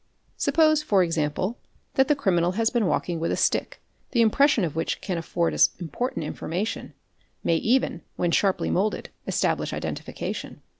) Suppose for example, that the criminal has been walking with a stick the impression of which can afford us important information, may even, when sharply moulded, establish identification.